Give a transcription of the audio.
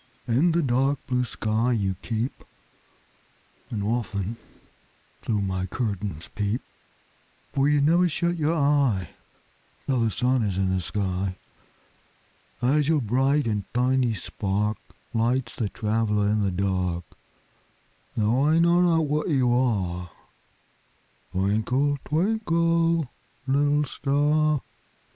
In the dark blue sky you keep, And often through my curtains peep; For you never shut your eye Till the sun is in the sky. As your bright and tiny spark Lights the traveler in the dark, Though I know not what you are, Twinkle, twinkle, little star.